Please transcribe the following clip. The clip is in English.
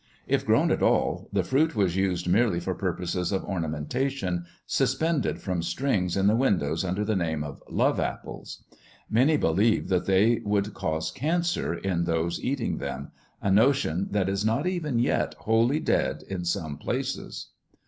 If grown at all, the fruit was used merely for purposes of ornamentation, suspended from strings in the windows under the name of "love apples". Many believed that they would cause cancer in those eating them—a notion that is not even yet wholly dead in some places.